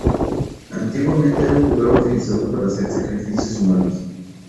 Antiguamente era un lugar utilizado para hacer sacrificios humanos.